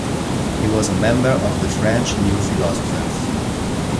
He was a member of the French new philosophers.